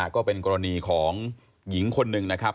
ก็เป็นกรณีของหญิงคนหนึ่งนะครับ